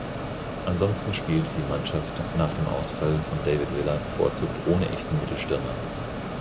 Ansonsten spielte die Mannschaft nach dem Ausfall von David Villa bevorzugt ohne echten Mittelstürmer.